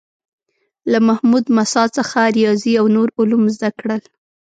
له محمود مساح څخه ریاضي او نور علوم زده کړل.